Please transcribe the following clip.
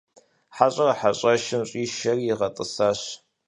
ХьэщӀэр хьэщӀэщым щӀишэри игъэтӀысащ.